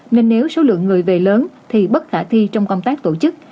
nên nếu số lượng người về lớn thì bất khả thi trong công tác tổ chức